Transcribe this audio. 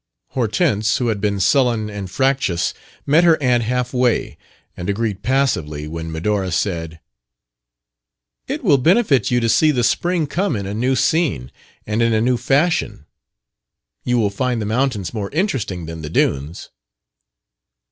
Hortense, who had been sullen and fractious, met her aunt half way, and agreed passively when Medora said: "It will benefit you to see the spring come on in a new scene and in a new fashion. You will find the mountains more interesting than the dunes."